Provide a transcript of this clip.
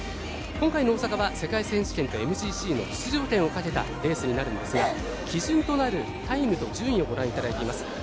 今回の大阪は世界選手権とＭＧＣの出場権をかけたレースになるんですが基準となるタイムと順位をご覧いただいています。